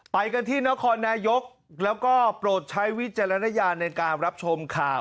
ไปกันที่นครนายกแล้วก็โปรดใช้วิจารณญาณในการรับชมข่าว